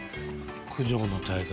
「九条の大罪」。